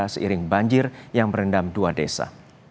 seiring banjir yang merendam dua desa